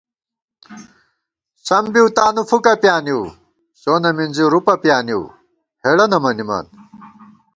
سم بِؤ تانُو فُکہ پیانِؤ، سونہ مِنزِی رُپہ پیانِؤ ہېڑہ نہ مَنِمان